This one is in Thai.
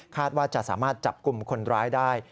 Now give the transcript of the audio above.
ว่าจะสามารถจับกลุ่มคนร้ายได้